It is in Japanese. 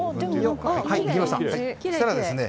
そうしたらですね